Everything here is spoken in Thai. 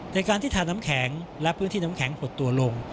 ในการที่ทาน้ำแข็งและพื้นที่น้ำแข็งหดตัวลง